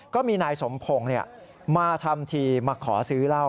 ก็มีนายสมพงศ์มาทำทีมาขอซื้อเหล้า